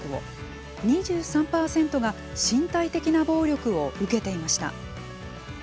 ２３％が身体的な暴力を受けていました。